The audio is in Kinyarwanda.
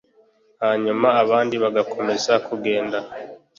hanyuma abandi bagakomeza kugenda